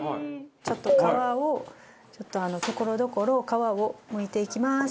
ちょっと皮をちょっとところどころ皮をむいていきます。